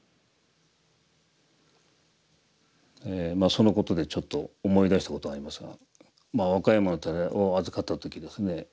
そのことでちょっと思い出したことがありますが和歌山の寺を預かった時ですね